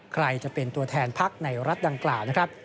ใครจะเป็นตัวแทนพักในรัฐดังกล่าวนะครับ